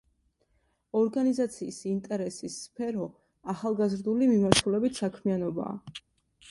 ორგანიზაციის ინტერესის სფერო ახალგაზრდული მიმართულებით საქმიანობაა.